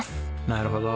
なるほど。